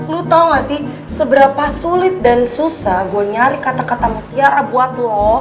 lu tahu nggak sih seberapa sulit dan susah gue nyari kata kata mutiara buat lo